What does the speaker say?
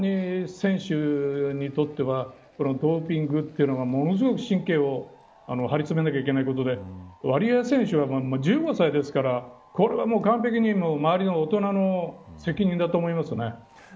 ですから非常に選手にとってはドーピングというのはものすごく神経を張りつめなければいけないことでワリエワ選手は１５歳ですからこれは完璧に周りの大人の責任だと思いますね。